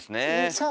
そう。